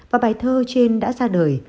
và bài thơ trên đã ra đời